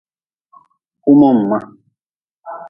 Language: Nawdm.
Humin ma.